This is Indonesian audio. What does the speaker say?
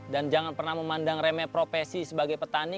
dan jangan pernah memandang remeh profesi sebagai petani